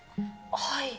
はい。